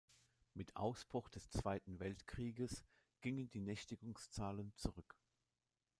Mit Ausbruch des Zweiten Weltkrieges gingen die Nächtigungszahlen zurück.